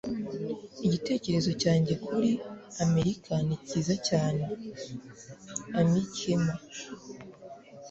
Igitekerezo cyanjye kuri Amerika ni cyiza cyane. (AMIKEMA)